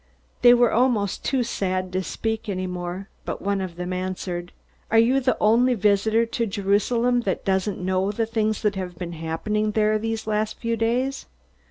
They were almost too sad to speak any more, but one of them answered, "Are you the only visitor to Jerusalem who doesn't know the things that have been happening there these last few days?"